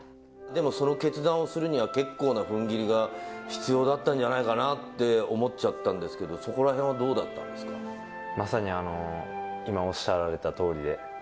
でもその決断をするには、結構なふんぎりが必要だったんじゃないかなって思っちゃったんですが、まさに今、おっしゃられたとおりで。